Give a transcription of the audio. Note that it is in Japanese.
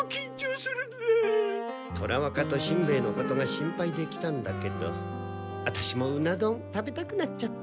虎若としんべヱのことが心配で来たんだけどワタシもウナどん食べたくなっちゃった。